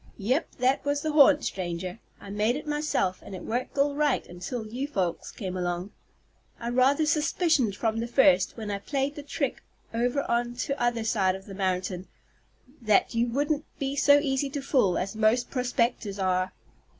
"Yep. That was the 'haunt' stranger. I made it myself, and it worked all right until you folks come along. I rather suspicioned from the first, when I played the trick over on 'tother side of the mountain, that you wouldn't be so easy to fool as most prospectors are."